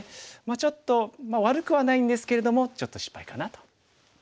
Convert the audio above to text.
ちょっと悪くはないんですけれどもちょっと失敗かなという感じですかね。